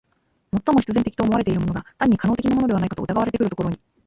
最も必然的と思われているものが単に可能的なものではないかと疑われてくるところに、